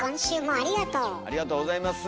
ありがとうございます。